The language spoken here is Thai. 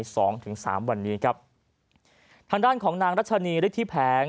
สองถึงสามวันนี้ครับทางด้านของนางรัชนีฤทธิแผง